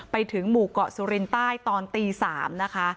ไปถึงหมู่เกาะสุรินใต้ตอนตี๓นะคะ